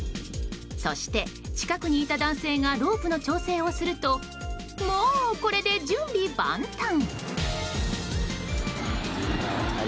そして、近くにいた男性がロープの調整をするとモ、これで準備万端。